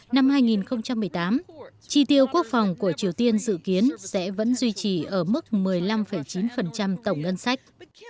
năm hai nghìn một mươi tám chi tiêu quốc phòng của triều tiên dự kiến sẽ vẫn duy trì ở mức một mươi năm chín tổng ngân sách